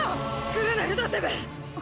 来るなルドセブ！